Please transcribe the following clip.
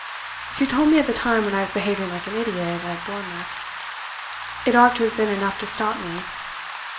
She told me at the time when I was behaving like an idiot at Bournemouth. It ought to have been enough to stop me.